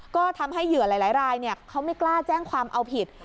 ก็ทำให้เหยื่อหลายรายเขาไม่กล้าแจ้งความเอาผิด